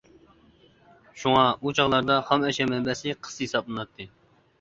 شۇڭا ئۇ چاغلاردا خام ئەشيا مەنبەسى قىس ھېسابلىناتتى.